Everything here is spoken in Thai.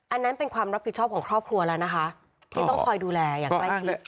อันนั้นเป็นความรับผิดชอบของครอบครัวแล้วนะคะที่ต้องคอยดูแลอย่างใกล้ชิด